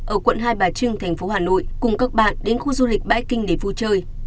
ở quận hai bà trưng thành phố hà nội cùng các bạn đến khu du lịch bãi kinh để vui chơi